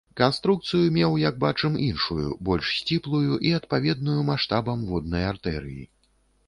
Канструкцыю меў, як бачым, іншую, больш сціплую і адпаведную маштабам воднай артэрыі.